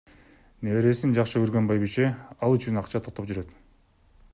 Небересин жакшы көргөн байбиче ал үчүн акча топтоп жүрөт.